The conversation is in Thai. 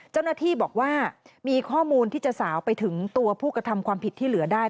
เจ้าหน้าที่บอกว่ามีข้อมูลที่จะสาวไปถึงตัวผู้กระทำความผิดที่เหลือได้